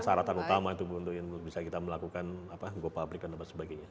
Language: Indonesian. masyarakat utama untuk bisa kita melakukan gopublic dan sebagainya